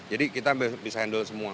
jadi kita bisa handle semua